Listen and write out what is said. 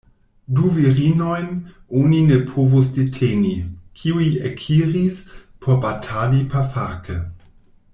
Du virinojn oni ne povus deteni, kiuj ekiris por batali pafarke.